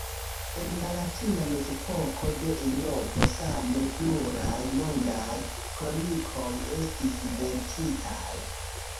En la latina mezepoko de Eŭropo same pluraj mondaj kronikoj estis verkitaj.